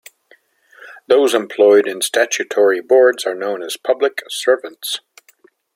Those employed in statutory boards are known as "public servants".